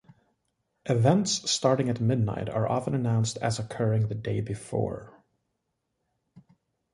Events starting at midnight are often announced as occurring the day before.